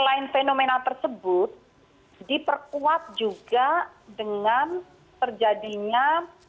selain fenomena tersebut diperkuat juga dengan terjadinya